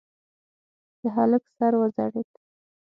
د هلک سر وځړېد.